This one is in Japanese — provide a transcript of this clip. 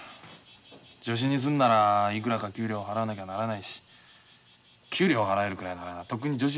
助手にするならいくらか給料を払わなきゃならないし給料を払えるくらいならとっくに助手雇ってるよ。